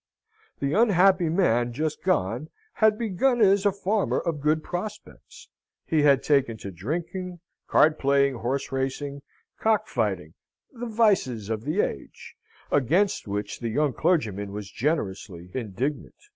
The unhappy man just gone, had begun as a farmer of good prospects; he had taken to drinking, card playing, horse racing, cock fighting, the vices of the age; against which the young clergyman was generously indignant.